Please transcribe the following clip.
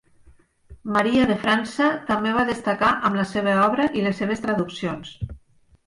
Maria de França també va destacar amb la seva obra i les seves traduccions.